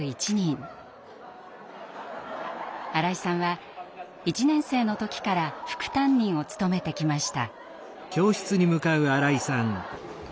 新井さんは１年生の時から副担任を務めてきました。